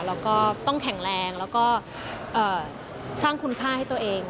แล้วก็ต้องแข็งแรงแล้วก็สร้างคุณค่าให้ตัวเอง